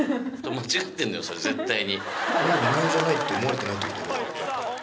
間違ってるんだよそれ絶対に。